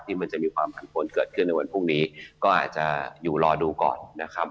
มันจะมีความผันผลเกิดขึ้นในวันพรุ่งนี้ก็อาจจะอยู่รอดูก่อนนะครับ